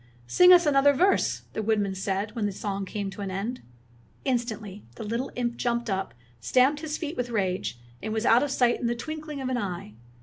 ''Sing us another verse," the woodman said, when the song came to an end. Instantly the little imp jumped up, stamped his feet with rage, and was out of sight in the twinkling of an eye.